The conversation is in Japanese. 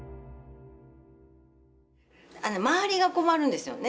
周りが困るんですよね